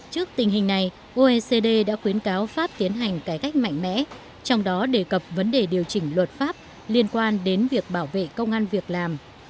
trước tình hình này oecd đã khuyến cáo pháp tiến hành cải cách mạnh mẽ trong đó đề cập vấn đề điều chỉnh luật pháp liên quan đến việc bảo vệ công an việc làm